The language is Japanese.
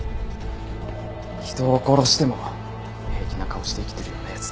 人を殺しても平気な顔して生きてるような奴です。